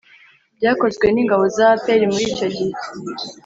byakozwe n'ingabo za apr muri icyo gihe,